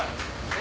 え！